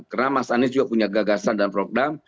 karena mas anies juga punya gagasan dan program